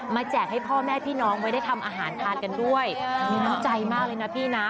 แจกให้พ่อแม่พี่น้องไว้ได้ทำอาหารทานกันด้วยมีน้ำใจมากเลยนะพี่นะ